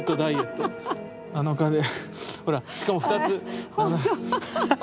ほらしかも２つ。